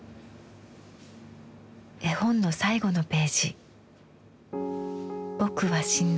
絵本の最後のページ。